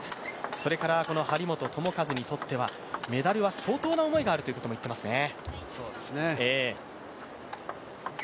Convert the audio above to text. それから張本智和にとってはメダルは相当な思いがあるということも言っていますね。